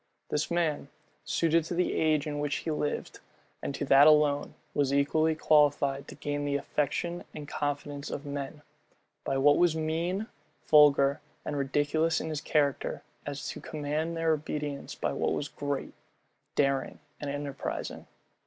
This man, suited to the age in which he lived, and to that alone, was equally qualified to gain the affection and confidence of men, by what was mean, vulgar, and ridiculous in his character, as to command their obedience by what was great, daring, and enterprising.